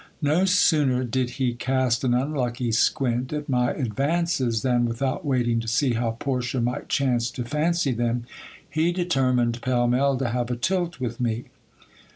No sooner did he cast an unlucky squint at my advances, than, without waiting to see how Portia might chance to fancy them, he determined pell mell to have a tilt with me.